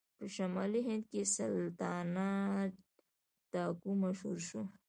په شمالي هند کې سلطانه ډاکو مشهور شو.